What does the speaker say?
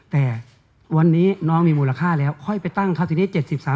แต่วันนี้น้องมีมูลค่าแล้วค่อยไปตั้งครับทีนี้